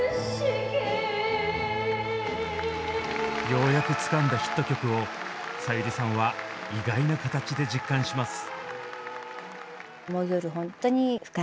ようやくつかんだヒット曲をさゆりさんは意外な形で実感します。